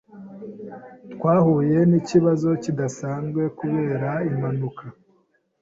Twahuye nikibazo kidasanzwe kubera impanuka.